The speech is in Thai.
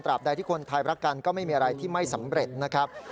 ใดที่คนไทยรักกันก็ไม่มีอะไรที่ไม่สำเร็จนะครับ